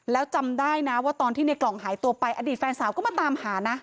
แล้วจำได้นะว่าตอนที่ในกล่องหายตัวไปอดีตแฟนสาวก็มาตามหานะ